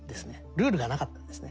ルールがなかったんですね。